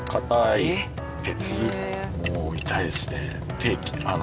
もう痛いですね。